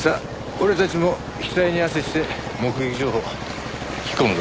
俺たちも額に汗して目撃情報聞き込むぞ。